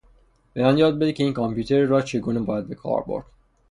به من یاد بده که این کامپیوتر را چگونه باید به کار برد.